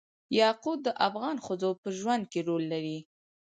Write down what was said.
یاقوت د افغان ښځو په ژوند کې رول لري.